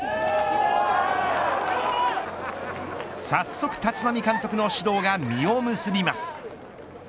早速、立浪監督の指導が実を結びます。